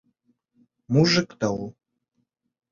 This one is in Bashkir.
Мужик та ул!